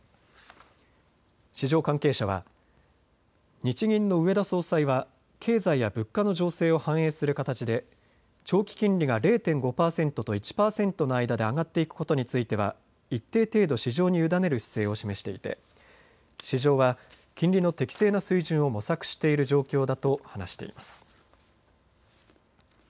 市場関係者は、日銀の植田総裁は経済や物価の情勢を反映する形で長期金利が０．５％と１％の間で上がっていくことについては一定程度、市場に委ねる姿勢を示していて市場は金利の適正な水準を模索している状況だと話しています。